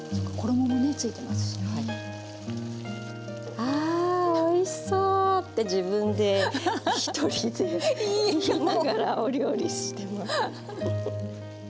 あおいしそう！って自分で１人で言いながらお料理してます。